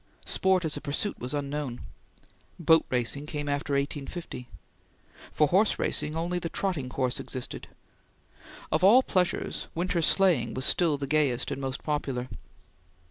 Sport as a pursuit was unknown. Boat racing came after 1850. For horse racing, only the trotting course existed. Of all pleasures, winter sleighing was still the gayest and most popular.